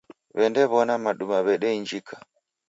W'endaw'ona maduma w'edeinjika.